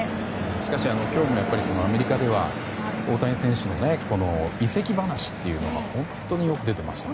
しかし今日もアメリカでは大谷選手の移籍話というのが本当によく出ていましたよね。